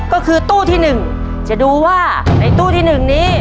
ก็คือตู้ที่หนึ่งจะดูว่าในตู้ที่หนึ่งนี้